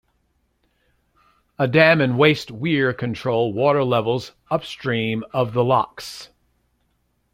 A dam and waste weir control water levels upstream of the locks.